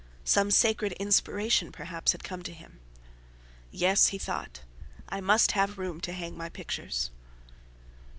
Some sacred inspiration perhaps had come to him. "Yes," he thought, "I must have room to hang my pictures."